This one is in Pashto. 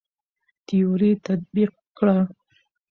تيوري تطبيق کړه.